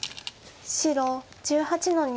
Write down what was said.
白１８の二。